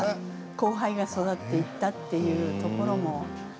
後輩が育っていったというところも。